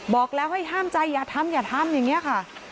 บอกแล้วให้ห้ามใจอย่าทำอย่าทำอย่างนี้ค่ะ